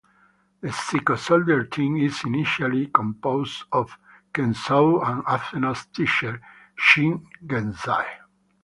The Psycho Soldier Team is initially composed of Kensou and Athena's teacher, Chin Gentsai.